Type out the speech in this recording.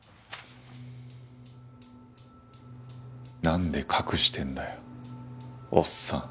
なんで隠してんだよおっさん。